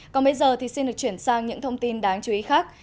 còn bây giờ thì xin được chuyển sang những thông tin đáng chú ý khác